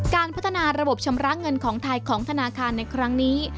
การพัฒนาระบบชำระเงินของไทยของธนาคารในครั้งนี้